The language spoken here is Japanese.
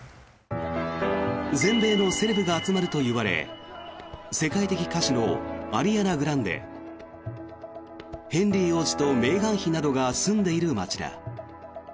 全米のセレブが集まるといわれ世界的歌手のアリアナ・グランデヘンリー王子とメーガン妃などが住んでいる街だ。